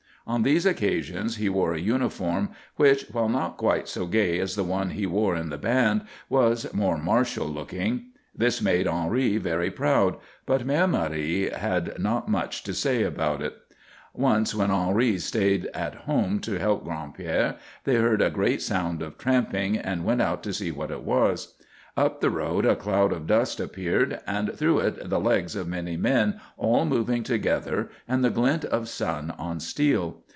On these occasions he wore a uniform which, while not quite so gay as the one he wore in the band, was more martial looking. This made Henri very proud, but Mère Marie had not much to say about it. Once, when Henri stayed at home to help Gran'père, they heard a great sound of tramping and went out to see what it was. Up the road a cloud of dust appeared and through it the legs of many men all moving together and the glint of sun on steel.